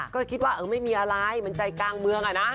ก็คิดว่าไม่มีอะไรมันใจกลางเมืองอะนะ